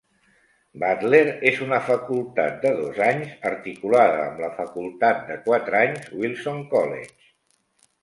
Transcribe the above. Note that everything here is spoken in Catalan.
Butler es una facultat de dos anys articulada amb la facultat de quatre anys Wilson College.